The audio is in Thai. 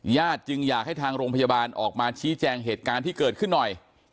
จึงอยากให้ทางโรงพยาบาลออกมาชี้แจงเหตุการณ์ที่เกิดขึ้นหน่อย